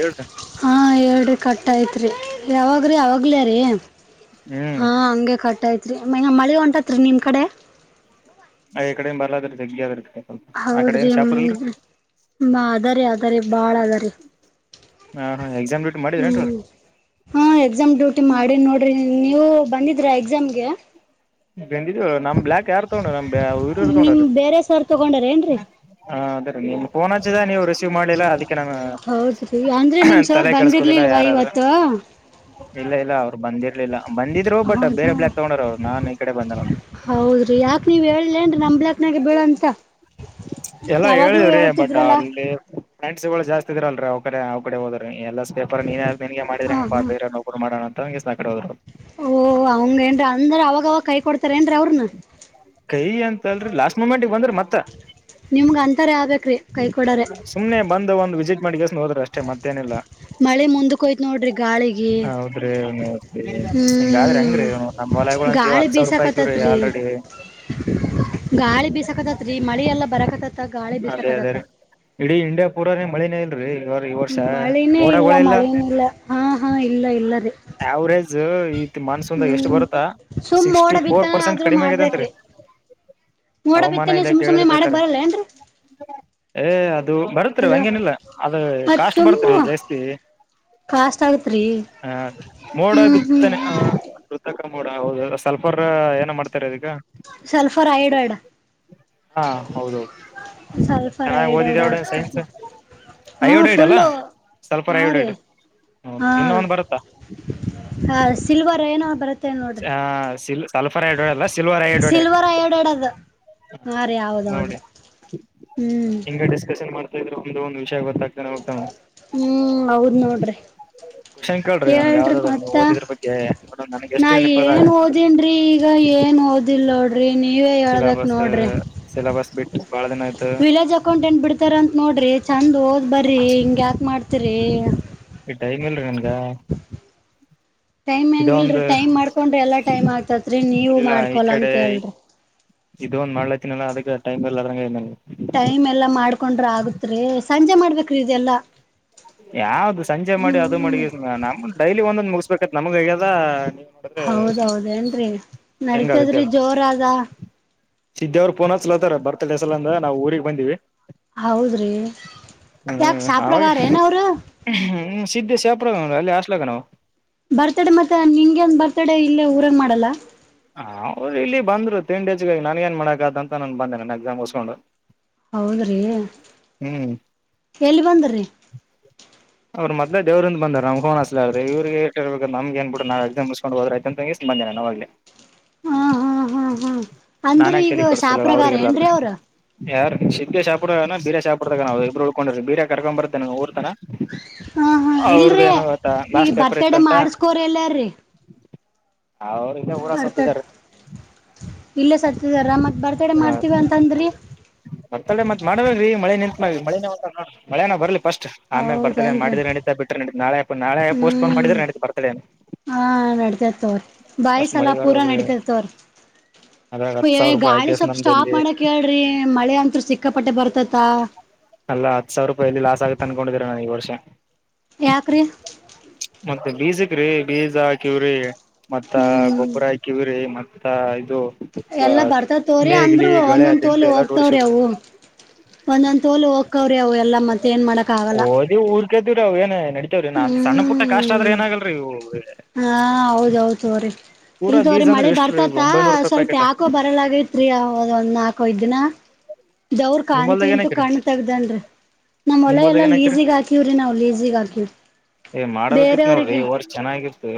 ಹೇಳ್ ಹಾ ಹೇಳ ಕಟ್ ಆಯ್ತ್ರಿ ಯಾವಾಗ್ರೀ ಅವಾಗ್ಲ ರೀ ಹ್ಮ್ ಹಾಂ ಹಗೆ ಕಟ್ಐತ್ ರೀ ಮಗ ಮಳೆ ಹೊಂಟತ್ ರೀ ನಿಮ್ಮ ಕಡೆ ಅ ಕಡೆಯಿಂದ ಬರ್ಲದ್ರೆ ಜಗ್ಗಿ ಅದ್ರ. ಹೌದ್ರಿ ಅದಾರ ಅದಾರೆ ಬಾಳ್ ಅದಾರಿ. ಹಾ ಹಾ ಎಕ್ಸಾಮ್ ಡ್ಯೂಟಿ ಮಾಡಿದ್ರೇನ್ರಿ ಹ್ಮ್ ಹಾ ಎಕ್ಸಾಮ್ ಡ್ಯೂಟಿ ಮಾಡಿ ನೋಡ. ನಿ ನೀವು ಬಂದಿದ್ರ ಎಕ್ಸಾಮ್ಗೆ. ಹೆಂಗಿದ್ದು ನಮ್ ಬ್ಲಾಕ್ ಯಾರು ತಗೊಂಡ ನಮ್ ಉಊರ ಯಾರ್ ನಿಮ್ ತಗೊಂಡ್ರ. ಬೇರೆ ಸರ್ ತಗೊಂಡಾರ ಏನ್ರಿ ಹಾ ಅದೇ ರ ನಿಮ್ಫೋನ್ ಹಚ್ಚಿದ ನೀವು ರಿಸೀವ್ ಮಾಡ್ಲಿಲ್ಲ ಅದಕ್ಕೆ ನಾನು ತಲೆಕೆಡಿಸಿಕೊಳ್ಳಲ್ಲ. ಲ್ ವ ಇವತ್ತ. ಇಲ್ಲ ಇಲ್ಲ ಅವ್ರು ಬಂದಿರ್ಲಿಲ್ಲ ಬಂದಿದ್ರು ಬಟ್ ಹೌದು ಬೇರೆ ಬ್ಲಾಕ್ ತಗೊಂಡೋರ ಅವ್ರು ನಾ. ಹೌದ್ರಿ ಯಾಕ ನೀವ್ ಹೇಳಲನ್ರಿ ನಮ್ಲಾಕ್ನಾಗ ಬೀಳಂತ. ಎಲ್ಲಾ ಯಾವಾಗ್ಲೂ ಹೇಳಿದವ್ರಿ ಬಟ್ ಹೇಳ್ತಿದ್ರಲ್ಲ ಅವ್ರಲ್ಲಿ. ಫ್ರೆಂಡ್ಸ್ ಗಳು ಜಾಸ್ತಿ ಇದ್ರರಲ್ ರರಿ ಅವ್ಡೆ ಅವ್ರ ಕಡೆ ಹೋದ್ರ ಎಲ್ಲ ಪೇರ್ ನಿನಗೆ ಹಾಂ ಮಾಡಿದಂಗಗೆ ಬೇರೆ ನರು ಮಾಡಣ. ಕಡೆ ಹೋದರು. ಓಹ ಅವಂಗ ಏನ್ ಅಂದ್ರ ಅವಾಗವಾಗ ಕೈ ಕೊಡ್ತಾರ ಏನ್ರೀ ಅವ್ರನ. ಕೈ ಅಂಥ ಅಲ್ರೀ ಲಾಸ್ಟ್ ಮುಮೆಂಟ್ ಬಂದ್ರು. ನಿಮ್ಗ ಅಂತರ ಆಬೇಕ್ರಿ. ಸುಮ್ನೆ ಬಂದ ಒಂದು ವಿಸಿಟ್ ಮಾಡಿ ಹೋದ್ರ ಅಷ್ಟೆ ಮತ್ತೇನಿಲ್ಲ. ಮಳೆ ಮುಂದಕ್ಕೆ ಹೋಯ್ತು ನೋಡ್ರಿ ಗಾಳಿಗೆ ಹೌದ್ರಿ ಹಿಂಗಾದ್ರೆ ಹ್ಮ್. ಹೆಂಗ್ರೀ ನಮ್ ಹೊಲಗಳು ಅಂತೀವ ಗಾಳಿ ಹತ್ ಸಾವಿರ ರೂಪಾಯಿ ಹಾಕಿವ್ರಿ ಬೀಸಕತೈತ್ರಿ. ಆಲ್ರೆಡಿ ಗಾಳಿ ಬಿಸಸಕತ್ತತ್ರಿ ಮಳಿ ಎಲ್ಲ ಬರಕತ್ತತ್. ಅದೇ ಅದೇ ರೀ ಇಡೀ ಇಂಡ್ಯಾ ಪೂರಾನ ಮಳನೇ ಇಲ್ರರಿ. ಇ ಈ ವರ್ಷ ಮಳಿನೇ ಮೋಡಗಳೇ ಇಲ್ಲ ಮಳಿನೇ ಹಾ ಹಾ ಇಲ್ಲ ಇಲ್ಲ ರೀ ಅವರೇಜ್. ಈ ಮಾನ್ಸನ್ ಎಷ್ಟ್ ಹ್ಮ್ ಬರುತ್ತಾ ಸುಮ್ ಮೋಡ ಸಿಕ್ಸ್ಟಿ ಫೋರ್ ಬಿತ್ತನೆ ಪರ್ಸೆಂಟ್ ಆದ್ರೂ ಕಡಿಮೆ ಆಗತೆತ್ರಿ. ಮಾಡ್ಬೇಕ್ರಿ ಮೋಡ ಹವಾಮಾನ ಬಿತ್ತನೆ ಸುಮ್ ಇಲಾಖೆ ಸುಮ್ನೆ ಹೇಳದ ಮಾಡಕ್ ಪ್ರಕಾರ. ಬರಲ್ಲ ಏನ್ರಿ ಏ ಅದು ಬರ್ತ್ರಿ ಹಲೋ ಹಂಗೇನಿಲ್ಲ ಅದ ಕಾಸ್ಟ್ ಬರ್ತ್ರಿ ಜಾಸ್ತಿ. ಕಾಸ್. ಹಾ ಮೋಡ ಹ್ಮ್ ಬಿತ್ತಾನೆ ಹ. ಕರ್ಕಾ ಮೋಡ ಹೌದು ಸಲ್ಫರ್ ಏನ ಮಾಡ್ತಾರೆ ಅದ ಈಗ. Sulphur hydride. ಹಾ ಹೌದೌದು ಸಲ್ಫರ್ ಐ ಚೆನ್ನಾಗಿ ಓದಿದೆ ಡಿಡ್ ಅವಡ ಸೈನ್ಸ್ ಆಗ್ತದೆ. ಹಾ ಅಯೋಡೈಡ್ ಅಲ್ಲ ಫುಲ್ಲು ಸಲ್ಫರ್ ಹಾ ರಿ. ಅಯೋಡೈಡ್ ಹೌದು ಹಾ ಇನ್ನೊ ಒಂದ್ ಬರುತ್ತಾ ಸಿಲ್ವರ ಏನ ಬರುತ್ತೆ. ನೋಡ್ರಿ ಹ ಸಿಲ್ ಸಲ್ಫರ್ ಹೈಡ್ರೋಡೆ ಅಲ್ಲ ಸಿಲ್ವರ್ ಹೈಡ್ರೋಡೆ. ಸಿಲ್ವರ್ ಐಡೈಡ್ ಅದು ಹ ಹಾ ರೀ ನೋಡಿ ಹೌದೌದ್ರಿ ಹ್ಮ್ ಹಿಂಗ ಡಿಸ್ಕಷನ್ ಮಾಡ್ತಾ ಇದ್ರೆ ಒಂದು ಒಂದು ನಿಮಿಷ. ಗೊತ್ತ್ತ ಹೋಗ್ತ. ಹ್ಮ್ ಹೌದ್ ನೋಡ್ರಿ ಕೋಶನ್ ಕೇಳ್ರಿ ನನ್ಗೆ ಹೇಳ್ರಿ ಯಾವ್ದಾದ್ರ ನೀವು ಮತ್ತ ಓದಿದ್ರ ಬಗ್ಗೆ ನ ನನ್ಗೆ ನಾ ಎಷ್ಟು ನಿಪದಾಯ. ಏನ್ ಓದನ್ರಿ ಈಗ ಏನ್ ಓದಿಲ್ಲ ನೋಡ್ರಿ ನೀವೇ ಹೇಳ್ಬೇಕ ಸಿಲಬಸ್ ನೋಡ್ರಿ. ಸಿಲಬಸ್ ಬಿಟ್ಟು ಬಾಳ ದಿನ ಆಯ್ತು ವಿಲೇಜ್ ಅಕೌಂಟ್ ಎನ್ಟ್ ಬಿಡ್ತಾರಂತತ್ ನೋಡ್ರಿ ಚಂದ್ ಓದ್ ಬರ್ರಿ ಹಿಂಗ ಯಾಕ ಮಾಡ್ತಿರಿ. ಟೈಮ್ ಇಲ್ರಿ ನನ್ಗ. ಟೈಮ್ ಇದ ಹೆಂಗಿಲ್ರಿ ಒಂದು ಟೈಮ್ ಮಾಡ್ಕೊಂಡ್ರಿ ಎಲ್ಲಾ ಟೈಮ್ ಆಗ್ತತ್ರಿ ನೀವು ಇಲ್ಲ ಈ ಮಾಡ್ಕೊಲ ಕಡೆ ಅಂತ ಹೇಳ್ರಿ. ಇದು ಒಂದ ಮಾಡಲತನಲ್ಲ ಅದಕ್ಕೆ ಟೈಮ್ [unintelligible] ನಂಗ. ಟೈಮ್ ಎಲ್ಲಾ ಮಾಡ್ಕೊಂಡ್ರ ಆಗತ್ರಿ ಸಂಜೆ ಮಾಡ್ಬೇಕ್ರೀ ಇದೆಲ್ಲಾ. ಯಾವ್ದ ಸಂಜೆ ಮಾಡಿ ಅದು ಮಾಡಿ ಹ್ಮ್ ನಮ್ದ ಡೈಲಿ ಒಂದೊಂದ್ ಮುಗಿಸಸ್ಬೇಕತ್ ನಮ್ಗ್. ಹೌದೌದ ಏನ್ರರಿ ನಡತದ್ರಿ ಜೋರ ಅದ. ಸಿದ್ದಿ ಅವ್ರು ಪೋನ ಚಲತಾರ ಬರ್ತ ದಸಲ ಅಂದ ನಾವವು ಊರಿಗೆ ಬಂದಿವವಿ. ಹೌದ್ರಿ ಯಾಕ ಸಾ ಪ್ರ [unintelligible] ಏನ. ಅವರು ಹ್ಮ ಸಿದ್ಧ ಸಪ ಅಲ್ಲಿ ಆಸ್ಲಕ್ಕ ನಾವು. ಬರ್ತಡ ಮತ್ತೆ ನಿಂಗೆ ಒಂದ ಬರ್ತಡೇ ಇಲ್ಲೇ ಊರಾಗ ಮಾಡಲ್ಲ. ಹ ಹೌದು ಇಲ್ಲಿ ಬಂದ್ರು ತಿಂಡಿಜಗ ನಾನ ಏನ್ ಮಾಡಾಕಾದ ಅಂತ ನಾನು ಬಂದೆ ನ ಎಕ್ಸಾಮ್ ಉಸ್ಕೊಂಡು. ಹೌದ್ರಿ ಎಲ್ಲಿ ಬಂದ್ರಿ. ಅವರು ಮದ್ಲ ದವ್ರ ಬಂದ ನಮ ಫನ್ ಅಸ್ ಆಗದೆ ಇ್ರರಿಗೆೇ ಇರ್ಬೇಕ ನಮಗೆ ಏನ್ ಬಿಡೂ ನಾ ಎಕ್ಸಾಮ್ಸ್ಕೊಂಡ್ಬದ್ರಂತ ಬಂದೇ. ಅವಗೆ ಹಾ ಹಾ ಹಾ ಹ್ಮ ಅಂದ್ರ ನಾನ್ಯಾಕ್ ಈಗ ತಲಿ ಕೆಡಿಸ್ಕೊಳಲ್ಲ ಅವ್ರಿಗ್ ಶಾಪಗಾರ ಏನ್ರೀ ಅವ್ರ ಬರಾಪಡ್ತ ನವುಬ್ರು ಉಳ್ಕೊಂಡ್ರಿ ಬರ ಕರ್ಕೊ ಬರ್ತೇ ರ್ತನ ಹಾ ಹಾ ಅವ್ರ್ದ ಇಲ್ರಿ ಏನಾಗತ್ತಾ ಈಗ ಲಾಸ್ಟ್ ಪೇಪರ್ ಬರ್ತಡೆ ಇತ್ತುಂತ ಮಾಡಸ್ಕೋರಿ ಎಲ್ಲಾರೀ ಅವ್ರಗ ಊರ ಬರ್ತಡೆ ಸತ್ತಿದ್ದಾರೆ ಇಲ್ಲೇ ಸತ್ತದಾರ ಮತ್ತೆ ಬರ್ತ್ಡೇ ಮಾಡ್ತೀವಿ ಅಂತ ಅಂದ್ರಿ ಬರ್ತಡೆ ಮತ್ ಮಾಡ್ಬೇಕ್ರೀ ಮಳೆ ನಿಂತತ್ ಮಳೆ ಮಳೆನ ಬರ್ಲಿ ಫಸ್ಟ್ ಆಮೇಾಗ ಬರ್ತಾನನೆ ಹೌದೇನ್ರಿ ಮಾಡಿದೆ ನಡಿತಾ ಬಿಟ್ರ ನಡ ನಾಳೆ ನಳೆ ಪೋಸ್ಟ್ ಪೋನ್ ಹ್ಮ್ ಮಾಡಿದ್ರ ನಡೀ ಬರ್ತೇ ಹಾ ನಡತರ್ತವ್ರೀ ಬಾಯ್ಸ್ ಪೂರಾ ಹೋಗ್ರಿ ನಡೀತರ್ತವ್ರೀ [unintelligible] ಏ ಗಾಳಿ ಐಗೆಸ್ ಸ್ವಪ್ ಸ್ಟಾಪ್ ನಮ್ದಲ್ಲಿ ಮಾಡಕ್ ಹೇಳ್ರಿ ಮಳೆ ಅಂತ್ ಸಿಕ್ಕಾಪಟ್ಟೆ ಬರ್ತತ ಅಲ್ಲ ಹತ್ತು ಸಾವಿರ ರೂಪಾಯಿಲ್ಲಿ ಲಾಸ್ ಆಗಿೆ ಅನ್ಕೊಂಡಿದೀರ ನಾನು ಈ ವರ್ಷ ಯಕ್ರ ಮತ್ತೆ ಬೀಜಕ್ ರೀ ಬೀಜ ಹಾಕಿವ್ರಿ ಮತ್ತ ಹ್ಮ್ ಗೊಬ್ಬರ ಹಾಕಿವ್ರರಿ ಮತ್ತ ಇದು ಎಲ್ಲಾ ಬರ್ತದತವ್ರಿ ಅಂದ್ರೂ ನೇಗಿಲಿ ಗಳೆ ಒಂದೊಂದ್ ದಿಂಡು ತೋಲಿ ಎಲ್ಲಾ ಹೋಗ್ತವ್ರಿ ಜೋಡ್ಸಿವ್ರಿ ಅವು ಒಂದೊಂದು ತೋಲು ಹೋಗ್ಕ್ಕವ್ರಿ ಅವ ಎಲ್ಲ ಮತ್ತೆ ಏನ್ ಮಾಡಾಕ್ಕ ಆಗಲ್ಲ ಊರ್ತೂರಾವ ಏನ [unintelligible] [unintelligible] ನಾ ಸಣ್ಣ ಪುಟ್ಟ ಕಾಷ್ಟ ಆದ್ರೆ ಹ್ಮ್ ಏನಾಗಲ್ರೀ ಇ ಇದವ್ರೀ ಮಳೆ ಬರ್ತತ್ತ ರೂಪಾಯಿ ಸ್ವಲ್ಪ ಪ್ಯಾಕೆಟ್ ಯಾಕೋ ಬರಲಗೈತ್ರಿ ನಾಲ್ಕ ಐದ್ ದಿನ ದವ್ರ ನಿಮ್ ಕಂತು ಹೊಲ್ದಾಗ ಏನ್ ಇಂತು ಹಾಕಿರಿ ಕಣ್ಣ ತಗ್ದನ್ರಿೀ ನಮ್ಮ್ ನಿಮ್ ಒಲ ಹೊಲ್ದಾಗ ಎಲ್ಲ ಏನ್ ಹಾಕಿರಿ ಲೀಸಿಗ್ ಹಾಕಿವವ್ರಿ ನಾವವು ಲೇಸಿಗ್ ಹಾಕಿವವ್ರಿ ಏ್ ಮಾಡಬೇಕಿತ್ ನೋಡ್ರಿ ಈ ವರ್ಷ ಚೆನ್ನಾಗಿತ್ತು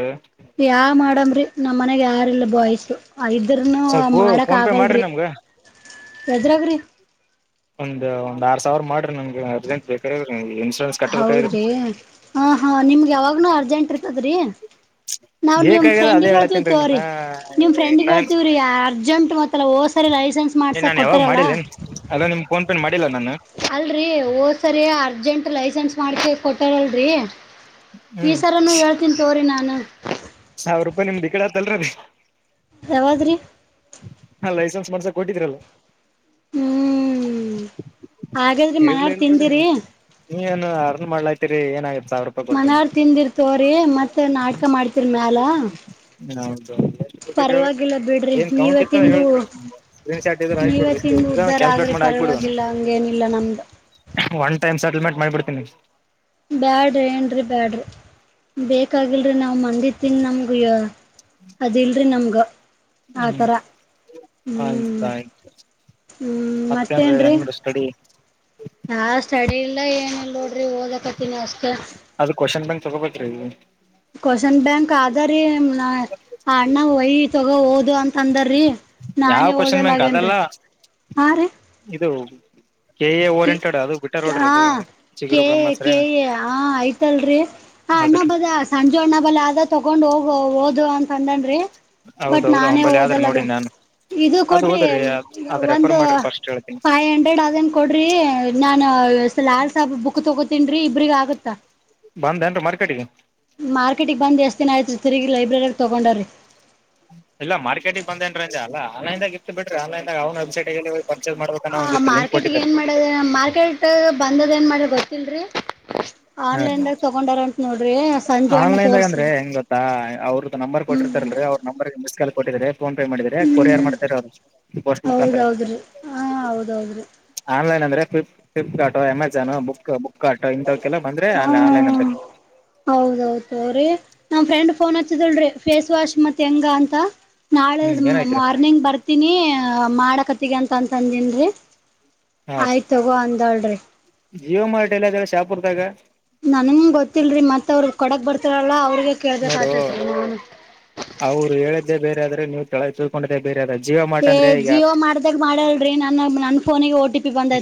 ಯಾವ ಮಾಡಮ್ರಿ ನಮ್ ಮನಾಗ ಯಾರಿಲ್ಲ ಬಾಯ್ಸು ಇದ್ರನು ಸ್ವಲ್ಪ ಮಾಡಕ್ ಫೋನ್ ಪೇ ಆಗಲ್ರಿ [inaudible] ಎದುರಾಗ ರಿ ಒಂದ ಒಂದ್ ಆರ್ ಸಾವಿರ್ ಮಾಡ್ರಿ ನನ್ಗೆ ಅರ್ಜೆಂಟ್ ಬೇಕಾರ ಹೌದ್ರಿ ಹಾ ಹಾ ನಿಮ್ಗೆ ಯಾವಾಗ್ನೂ ಅರ್ಜೆಂಟ್ ಇರ್ತದ್ರೀ ನಾವ್ ನಿಮ್ ಬೇಕಾಗ್ಯದ ಫ್ರೆಂಡ್ ಅದೇ ಕೇಳ್ತವ ಹೇಳತ್ತೇನ್ರಿ ನಾನ ತೋ್ರೀ ನಿಮ ಫ್ರೆಂಡ್ ನಾನ್ ಕೇಳ್ತವ್ರೀ ಅರ್ಜೆಂಟ್ ಮತ್ತ ಹೋ ಸರಿ ಲೈಸೆನ್ಸ್ ಏ ಮಾಡ್ಸ ನಾನ್ ಯಾವಾಗ ಕೊಟ್ಟಾರಲ್ಲ ಮಾಡಿಲ್ಲೇನ್ ಅದ ನಿಮ್ ಫೋನ್ ಪೇನ್ ಮಾಡಿಲ್ಲ ನಾನು ಅಲ್ರರಿ ಹೋದ್ ಸರಿ ಅರ್ಜೆಂಟ್ ಲೈಸೆನ್ಸ್ ಮಾಡ್ಕ ಕೊಟ್ಟಾರಲ್ರರಿ ಹ್ಮ್ ಈಸರನ್ನು ಹೇಳ್ತೀನಿ ತೋರಿ ನಾನು ಇ ನಿಮ್ದು ಈ ಕಡೆ ಆಟದು ಅಲ್ಲಾ ರಿ ಯಾವ್ದ್ರಿ ಹಾ ಲೈಸೆನ್ಸ್ ಮಾಡ್ಸಾಕ್ ಕೊಟ್ಟಿದ್ರಲ್ ಹ್ಮ್ ಹಾಗಾದ್ರಿ ಹೇಳಲಿ ಮನಾರ್ ಇಬಡಿ ತಿಂದಿರಿ ನೀವ ಏನ್ ಅರ್ನ್ ಮಾಡ್ಲಾಯ್ತಿೀರಿ ಏನಾಗ ಮನ್ಡ್ ತಿಂದಿರ್ ತೋರಿ ಮತ್ತ ನಾಟಕ ಮಾಡ್ತಿರ್ ಮ್ಯಾಲ ಹೌದೌದು ಕೊಟ್ಟಿದ ಪರವಾಗಿಲ್ಲ ಬಿಡ್ರಿ ಏನ್ ಕೌಂಟ್ ನೀವೇ ಇತ್ತು ತಿಂದು ಹೇಳ್ ಬಿಡ್ರಿ ಸ್ಕ್ರೀನ್ ಶಾಟ್ ಇದ್ರ ಹ ಆಿಬ ನೀವೇ ಬಿಡ್ರಿಷ್ಟ ತಿಂದು ಉದ್ದಾರ ಕ್ಯಾಲಿಕಟ್ ಆಗ್ರಿ ಮಾಡ ಆಕು [unintelligible] ಪರವಾಗಿಲ್ಲ ಹಂಗೇನಿಲ್ಲ ನಮ್ದು ಒನ್ ಟೈಮ್ ಸೆಟಲ್ಮೆಂಟ್ ಮಾಡಿಬಿಡ್ತೀನಿ ಬ್ಯಾಡ್ರಿ ಏನ್ರಿ ಬ್ಯಾಡ್ರಿ ಬೇಕಾಗಿಲ್ರರಿ ನಾವ್ ಮಂದಿ ತಿನ್ ನಮಗ ಅದಿಲ್ರಿ ನಮ್ಗ ಹ್ಮ್ ಆಥರ ಆಯ್ತ ಹ್ಮ ಆಯ್ತು ಹ್ಮ್ ಮತ್ತ ಮತ್ತೇನ್ರೀ ಏನು ರಿ ಹೆಂಗ್ ಸ್ಟಡಿ ನಾ ಸ್ಟಡಿ ಇಲ್ಲ ಏನಿಲ್ಲ ನೋಡ್ರಿ ಓದಕತೀನಿ ಅಷ್ಟೇ ಅದು ಕ್ವಶನ್ [unintelligible] ಕ್ವಶನ್ ಬ್ಯಾಂಕ್ ಆದ ರಿ ಹಾ ಅಣ್ಣ ಒಯಿ ತಗೋ ಹೋದು ಅಂತ ಅಂದರಿ ಯಾವ ನಾನೇ ಕ್ವಶನ್ ಬ್ಯಾಂಕ್ ಅದೆಲ್ಲ ಓದಲ್ಲಗೇರಿ ಹಾ ರೀ ಇದು ಕೆ ಎ ಓರಿಯಂಟೆಡ್ ಅದು ಬಿಟ ನೋಡ್ರಿ ಅದು ಚಿಗುರು ಕೇ ಬ್ರಹ್ಮಸರ ಏನ ಕೇಯ ಹ ಆಯ್ತಲ್ರಿ ಹಾ ಅಣ್ಣ ಅದ್ರಿ ಬದ ಸಂಜು ಅಣ್ಣ ಬಲ್ಲ ಆದ ತಗೊಂಡ್ ಹೋಗ ಓದು ಅಂತ ಅಂದನ್ ರಿ ಬಟ್ ಹೌದೌದು ನಾನೇ ಅಂಬಲ್ಲಿ ಆದ್ರಿ ಓದಲ್ಲಗ ನೋಡಿ ನಾನು ಇದು ಅದು ಕೊಡ್ರಿ ಓದ್ರಿ ಅದ್ ರೆಫರ್ ಒಂದು ಮಾಡ್ರಿ ಫಸ್ಟ್ ಹೇಳ್ತೀನಿ ಫೈವ್ ಹಂಡ್ರೆಡ್ ಅದನ್ ಕೊಡ್ರಿ ನಾನ್ ಲಾ ಸಾಬ್ ಬುಕ್ ತಗೋತೇನ್ ರಿ ಇಬ್ರಗ್ ಆಗತ್ತಾ ಬಂದ ಏನ್ರಿ ಮಾರ್ಕೆಟಿಗೆ ಆಯ್ರಿ ತಿರಿಗಿ ಲೈಬ್ರರಿ ತೊಗೊಂಡ್ರೀ ಇಲ್ಲ ಮಾರ್ಕೆಟಿಗೆ ಬಂದೇನ್ ರಂಜ ಅಲ್ಲ ಆನ್ಲೈನ್ಗ ಇತ್ ಬಿರಿ ಆನ್ಲೈನ್ದ ಅವ್ ವೆಬ್ಸೈಟ್ ಹ ಮಾರ್ಕೆಟ್ಗ ಏನ್ ಮಾಡದ ಮಾರ್ಕೆಟ್ ಬಂದದ ಏನ್ ಮಾಡ್ರಿ ಗೊತ್ತಿಲ್ರಿ ಆನ್ಲೈನ್ದಾಗ ತಗೊಂಡಾರ ಅಂತ ನೋಡಿ ಆನ್ಲೈನ್ದಾಗ ಅಂದ್ರೆ ಹೆಂಗ್ ಗೊತ್ತಾ ಅವ್ರದ್ದು ನಂಬರ್ ಕೊಟ್ಟಿರ್ತಾರದ್ರೆ ಅವ್ರ ನಂಬರ್ ಮಿಸ್ ಕಾಲ್ ಕೊಟ್ಟಿದ್ರೆ ಫೋನ್ ಪೇ ಮಾಡಿದ್ರ ಕೊರಿಯರ್ ಹ್ಮ್ ಮಾಡ್ತಾರೆ ಅವರು ಪೋಸ್ಟ್ ಮುಖಾಂತರ ಹೌದೌದುದು ಏಂದ್ರೆಫ್ಲಿಪ್ Flipkart Amazon book book cart ಇಂಥ ಕೆಲಲ್ಲ ಬಂದ್ರೆ ಅಲ್ಲಿ ಆನ್ಲೈನ್ ಅಂತ ಹೌದೌದು ರರಿ ನಮ್ ಫ್ರೆಂಡ್ ಫೋನ್ ಹಚ್ಚಿದಲ್ರಿ ಫೇಸ್ ವಾಶ್ ಮತ್ತತ್ ಹೆಂಗ ಅಂತ ನಾಳೆ ಹ್ಮ್ ಏನಾಯ್ತರ ಮಾರ್ನಿಂಗ್ ಬರ್ತೀನಿ ಮಾಡಕತ್ತಗೆ ಅಂತ ಅಂತಂದನ್ ರಿ ಹ ಆಯ್ತ್ ತಗೋ ಅಂದಾಳ್ರಿ ಜಿಯೋ ಮಾರ್ಟ ಎಲ್ಲ ಅದೆಲ್ಲ ಶಾಪುರ್ತಾಗ ನನ್ಗ ಗೊತ್ತಿಲ್ರಿ ಮತ್ ಅವ್ರಗ್ ಕೊಡಕ್ ಬರ್ತಾರಲ್ಲ ಅವ್ರಗ ಕೇಬೇಕಕ್ ನೋಡು ಆತತಿ ನ ಹ ಅವ್ರು ಹೇಳಿದ್ದೇ ಬೇರೆ ಆದ್ರೆ ನೀವು ತಳ ತಿಳ್ಕೊಂಡಿದ್ದೇ ಬೇರೆ ಜಿಯೋ ಮಾರ್ಟ್ ಅಂದ್ರೆ ಈಗ ಜಿಯೋ ಮಾಗ ಮಾಡಲ್ರಿ ನನ್ನ ನನ್ ಫೋಗೆ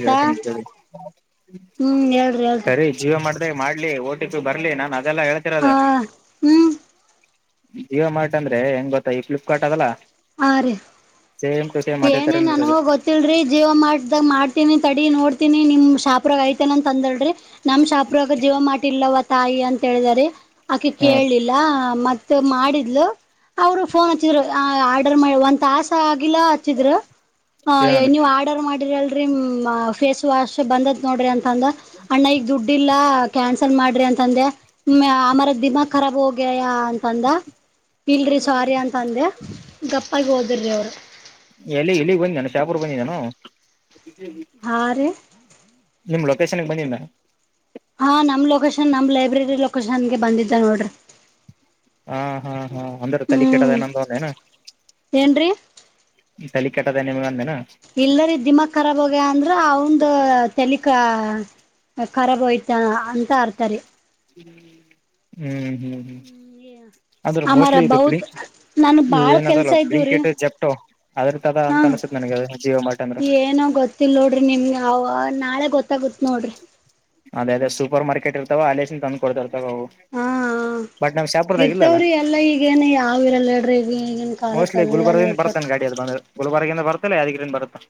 ಇವತ್ತಿನಿ ಕೇಳಿ ಹ್ಮ್ ಹೇಳ್ರಿ ಹೇಳ್ರಿ ಸರಿ ಜೀವ ಮಾಡ್ರೆ ಮಾಡ್ಲಿ ಓಟಿ ಚು ಬರ್ಲಿ ನಾನು ಅದೆಲ್ಲಾ ಹ ಹೇಳ್ತಿರೋದು ಹ್ಮ್ ಜಿಯೋ ಮಾರ್ಟ್ ಅಂದ್ರೆ ಹೆಂಗ್ ಗೊತ್ತಾ ಈ ಫ್ಲಿಪ್ಕಾರ್ಟ್ ಅದಲ್ಲಾ ಹ ರೀ ಅದೇ ತರ ಏನೇನ್ ನನ್ಗೋ ಇರೋದು ಗೊತ್ತಿಲ್ರಿ ಜೀವ ಮಾಡ್ದಾಗ ಮಾಡ ತಡಿ ನೋಡ್ತೀನಿ ನಿಮ್ ಶಾಪ್ರಾಗ ಐತೆತನ ಅಂತ ಅಂದಳ್ರಿ ನಮ ಶಾಪ್ರಾಗ ಜೀವ ಮಾಡಿ ಇಲ್ವ ತಾಯಿ ಅಂತ ಹೇಳಿದಿದ್ದಾರೆ ಆಕೆ ಹ ಕೇಳಲಿಲ್ಲ ಮ ಮಾಡಿದ್ಲು ಅವರು ಫೋನ್ ಹಚ್ಚಿದ್ರು ಆರ್ಡರ್ ಮಾಡ ಒನ್ ಆಸೆ ಆಗಿಲ್ಲ ಏನಂದ್ರ ನೀವು ಆರ್ಡರ್ ಮಾಡ ಅಲ್ ಫೇಸ್ ವಾಶ್ ಬಂದ ನೋಡ್ರಿ ಅಂತಂದ ಅಣ್ಣ ಈಗ ದುಡ್ ಇಲ್ಲ ಕ್ಯಾನ್ಸಲ್ ಮಾಡ ಮಾಡ್ರಿ ಅಂತಂದೆ ಆಮರ ದಿಮಾಗ್ ಖರಾ ಹೋಗ್ಯಯ ಅಂತಂದ ಇಲ್ರಿ ಸಾರಿ ಅಂತ ಅಂದೆ ಗಪ್ಪಾಗಿ ಓದಿರಿ ಅವರು ಎಲ್ಲಿ ಇಲ್ಲಿಗ್ ಬಂದ ನಾನು ಸಾಪೂರ್ ಬಂದಿದ್ದಾನು ಹಾ ರ ನಿಮ್ ಲೊಕೇಶನ್ಗೆ ಬಂಧಿಧ್ನ ಹಾ ನಮ್ ಲೊಕೇಶನ್ ನಮ್ ಲೈಬ್ರರಿ ಲೊಕೇಶನ್ಗೆ ಬಂದಿದ್ದ ನೋಡ್ರಿ ಹಾ ಹಾ ಹಾ ಒಂದ್ರೆ ತಲ ಕೆೆಟ್ಟದ ಹ್ಮ್ ಏನಂದ ಒ ಏನ ಏನ್ರೀ ತ ಕೆಟ್ಟದನೆ ನಿಮಗ ಇಲ್ಲರಿ ದಿಮಾಕ್ ಖರಾಬಹೋಗಯ ಅಂದ್ರ ಅವಂದ ತೇಲಿ ಖರಾಬ್ ಹೋಯ್ತಾ ಅಂತ ಅರ್ತಾರೆ ಹ್ಮ್ ಹ್ಮ್ ಹ್ಮ ಅಂದ್ರೆ ಅಮರ ಮೋಸ್ಟ್ಲಿ ಇದು ಬೌತ್ ನನ್ ಇವು ಬಾಳ್ ಏನ ಕೆಲ್ಸ ಅದಲ್ಲ ಇದ್ದವ್ರೀ ಬ್ಲಿಂಕೆಟ್ ಜೆಪ್ಟೋ ಅದ್ರ ತದ ಹಾ ಅಂತ ಅನ್ ಏನೋ ಗೊತ್ತಿಲ್ಲ ನೋಡ್ರಿ ನಿಮ್ಗೆ ಅವ ನಾಳೆ ಗೊತ್ತಾಗತ್ ನೋಡ್ರಿ ಅದೇ ಅದೇ ಸೂಪರ್ ಮಾರ್ಕೆಟ್ ಇರ್ತವ ಅಲಸನ್ ತಂದು ಕೊಡ್ತರ್ತವ ಅವು ಹಾ ಬಟ್ ನಮ್ ಶಾಪುರದಾಗಿಲ್ಲಲ್ಲ ಇರ್ತವ್ರಿ ಎಲ್ಲಾ ಈಗೇನ್ ಯಾವ್ ಇರಲ್ಲ ಹೇಳ್ರಿ ಈಗ ಈಗಿನ ಕಾಲಕ್ಕೆ ಮೋಸ್ಟ್ಲಿ ಎಲ್ಲಾನು ಗುಲ್ಬರ್ಗಿಂದ ಬರ್ ಇರ್ತವ ಗಾಡಿ ಅದ ಬಂದ ಗುಲ್ಬರ್ಗಿಂದ ಬತ್ತಲ್ಲ ಯಾದಗಿರಿ ಇಂದ ಬರುತ್ತಾ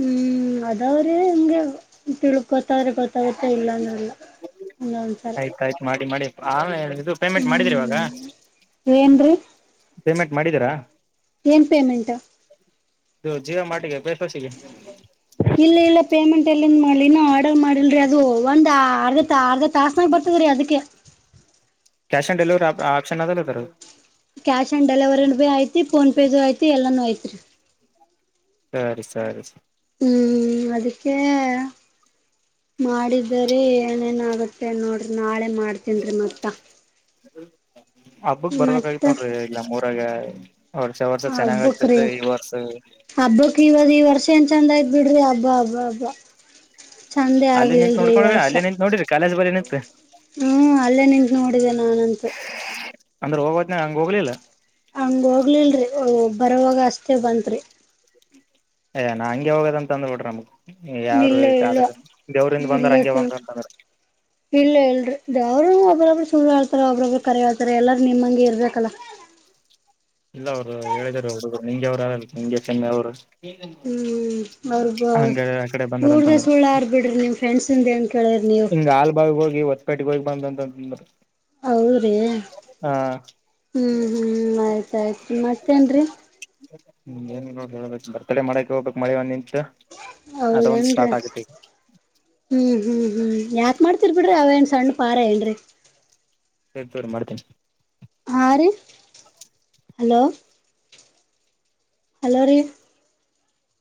ಹ್ಮ್ ಅದವ್ರೆ ನಿಮ್ಗೆ ತಿಳ್ ಗೊತ್ತಾವ್ರೆ ಗೊತ್ತಾಗತ್ತೆ ಇಲ್ಲ ಅಂದಲ್ಲ ಆಯ್ತಾಯಯ್ತು ಮಾಡಿ ಮಾಡಿ ಆ ಇದು ಪೇಮೆಂಟ್ ಮಾಡಿದ್ರಿ ಇವಾಗ ಏನ್ರಿ, ಪೇಮೆಂಟ್ ಮಾಡಿದ್ದೀರಾ. ಜೀವ ಮಾಡಿಗೆ ಬೇಸ್ವಸಿಗೆ [unintelligible] ಎಲ್ಲಿ ಮಾಡ್ಲಿ ಇನ್ನು ಆಡರ್ಮಾಡಿಲ್ರರಿ ಅದು. ಒಂದ್ ಅರ್ಧ -ಅರ್ಧ ತಾಸ್ನಾಗ ಬರ್ತದ್ರೀ ಅದಕ್ಕೆ. ಕ್ಯಾಶ ಆನ್ ಡೆಲಿವರಿ ಆಪ್ಶನ ಆದಲ್ಲಿದರಗ. ಕ್ಯಾಶ್ ಆನ್ ಡೆಲಿವರಿ ಭಿ ಐತಿ ಫೋನ್ ಪೇದು ಐತಿ ಎಲ್ಲಾನೂ ಐತ್ರಿ. ಸರಿ, ಸರಿ, ಸರಿ ಹ್ಮ್, ಅದಕ್ಕೆೇ- ಮಾಡಿದರೆ ಏನೇನಾಗುತ್ತೆ ನೋಡ್ರಿ ನಾಳೆ ಮಾಡ್ತನ್ರಿ ಮತ್ತ. [inaudible] ಮತ್ತ ಗ [unintelligible] [inaudible] ಹಬ್ಬಕ್ರಿ, ಹಬ್ಬಕ್ ಇವದ ಈ ವರ್ಷ ಏನ್ ಚಂದ ಆಯ್ತ್ ಬಿಡ್ರಿ ಹಬ್ಬ. ವಾ ವಾ ವಾ [unintelligible] ಚಂದೆ ಅಲ್ಲೇ ನಿಂತ್ ಆಗ್ಲಿಲ್ರಿಈ ನೋಡ್ಕೊಂಡ್ರಿ ವರ್ಷ ಅಲ್ಲೇ ನಿಂತ್ ನೋಡಿರಿ ಕಾಲೇಜ್ ಬಳಿ ನಿಂತ್ ಹ್ಮ್ಅಲ್ಲೇ ನಿ, ನೋಡಿದೆ ನಾನಂತೂ. ಅಂದ್ರೆ ಹೋಗೋತನಗ ಹಂಗ ಹೋಗ್ಲಿಲ್ಲ. - ಹಂಗಹೋಗ್ಲಿಲ್ ರಿ ಬರೋವಾಗ ಅಷ್ಟೇ ಬಂತರಿ. ಅಯ್ಯಾ ನಾ ಹಂಗೆ ಹೋಗೋದ ಅಂತ ಅಂದ್ ಬಿಡ್ರ ನಮ್ಗ. ಯಾರು ಇಲ್ಲ ಇಲ್ಲ ದೇವ್ರಿದ ಬಂದ ಇಲ್ಲ ಹಂಗೆ ಬಂದಂತಂದ್ರ. ಇಲ್ಲ, ಇಲ್ರಿ ದೇವ್, ರು ಒಬಬ್ ಸುಳ್ ಹೇಳ್ತಾರ ಒಬ್ಬ್ರೊಬ್ರು ಕರೆ ಹೇಳ್ತಾರೆ ಎಲ್ಲಾರ ನಿಮ್ಮಂಗೆ ಇರ್ಬೇಕಲ್ಲ. ಇಲ್ಲ, ಅವ್ರು ಹೇಳಿದಾರ ಅವರುಹುಡಗರು ನಿಂಗೆ ಅವ್ರು ಆರ ನಿಂಗೆ ಚೆನ್ನೆ ಅವ್ರು. ಹ್ಮ್, ಅವ್ರ ಬ ಹಂಗ ಆ ಕಡೆ ಬಂದಾರ ಊರ್ದ ಸುಳ್ಳ ಆರ್ ಬಿಡ್ರಿ ನಿಮ್ ಫ್ರೆಂಡ್ಸಂದ ಅಂತ, - ಹಿಂಗ್ ಹಾಲ ಬಾವಿ ಹೋಗಿ ಹೊತ್ಪೇಟಗ್ ಹೋಗಿ ಬಂದಂತ ಹೌದ್ರೀ, ಹ್ಮ್, ಹ್ಮ್ ಆಯ್ತಾಯ್ತು ಮತ್ತೇನ್ರಿ. ಹ್ಮ, ಏಳ್ಬೇಕು ಬರ್ತಡೆಮಾಡಕ ಹೋಗ್ಬೇಕ ಮಳೆಒಂದ ನಿಂತ, - ಹೌದೇನರಿ ಹ್ಮ್, ಹ್ಮ್- ಹ್ಮ್, ಯಾಕ್ಮಾಡ್ತಿರ್ ಬಿಡ್ರಿ ಅವೇನ ಸಣ್ಣ ಪಾರ ಏನ್ರೀ, ಸರಿ ತೋಗ ರಿ ಮಾಡ್ತೀನಿ. ಯ ರ [unintelligible] ಹಲೋ ಹಲೋ, ರೀ